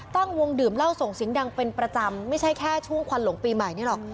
ตั้งวงดื่มเหล้าส่งเสียงดังเป็นประจำไม่ใช่แค่ช่วงควันหลงปีใหม่นี่หรอก